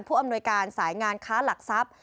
อำนวยการสายงานค้าหลักทรัพย์